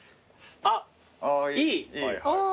あっいい。